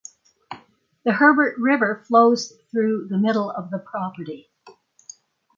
The Herbert River flows through the middle of the property.